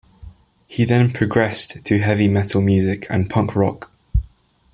He then progressed to heavy metal music and punk rock.